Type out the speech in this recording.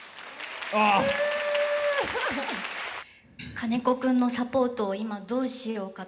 「金子君のサポートを今どうしようかと」。